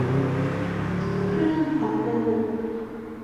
เครื่องพล็อตเตอร์